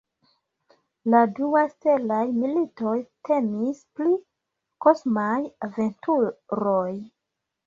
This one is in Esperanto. La dua ""Stelaj Militoj"" temis pri kosmaj aventuroj.